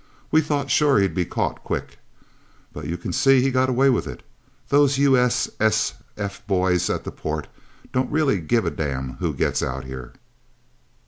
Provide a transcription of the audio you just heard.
We thought sure he'd be caught, quick. But you can see how he got away with it. Those U.S.S.F. boys at the port don't really give a damn who gets Out Here."